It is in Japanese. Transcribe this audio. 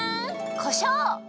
こしょう！